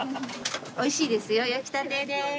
美味しいですよ。